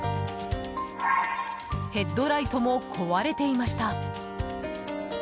ヘッドライトも壊れていました。